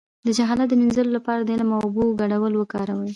د جهالت د مینځلو لپاره د علم او اوبو ګډول وکاروئ